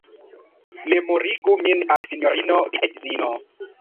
Memorigu min al Sinjorino via edzino!